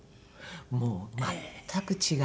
もう全く違う。